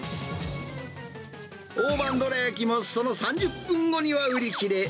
大判どらやきも、その３０分後には売り切れ。